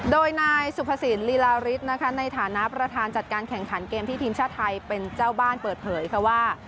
โดยนายสุภสินลีลาริสนะคะในฐานะประธานจัดการแข่งขันเกมที่ทีมชาติไทยเป็นเจ้าบ้านเปิดเผยค่ะว่า